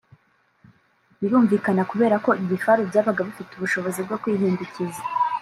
Birumvikana kubera ko ibifaru byabaga bifite ubushobozi bwo kwihindukiza